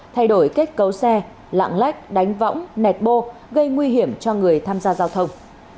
thay đổi kết cấu xe lạng lách đánh võng nẹt bô gây nguy hiểm cho người tham gia giao thông